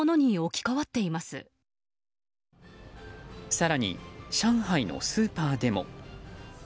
更に上海のスーパーでも。